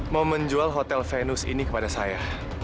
mau menjual hotel venus ini kepada saya